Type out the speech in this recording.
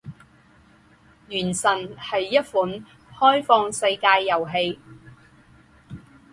《原神》是一款开放世界游戏。